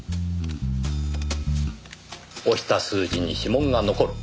押した数字に指紋が残る。